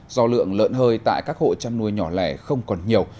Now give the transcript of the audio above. do lượng lợn hơi tại các hộ chăn nuôi nhỏ lẻ không còn nhiều